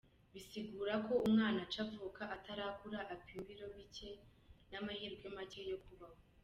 Bisigura ko umwana aca avuka atarakura, apima ibiro bike n'amahirwe make yo kubaho.